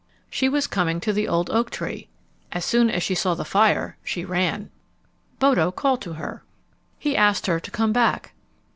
She was coming to the old oak tree. As soon as she saw the fire, she ran. Bodo called to her. He asked her to come back.